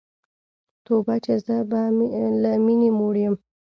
توبه چي زه به له میني موړ یم